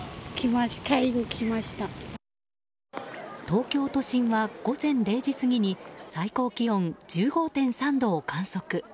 東京都心は午前０時過ぎに最高気温１５．３度を観測。